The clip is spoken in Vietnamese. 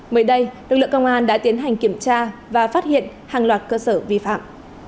mới đây lực lượng công an đã tiến hành kiểm tra và phát hiện hàng loạt cơ sở vi phạm